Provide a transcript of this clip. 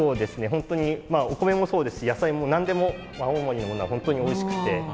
本当にまあお米もそうですし野菜も何でも青森のものは本当においしくて。